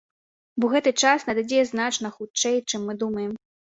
Бо гэты час надыдзе значна хутчэй, чым мы думаем.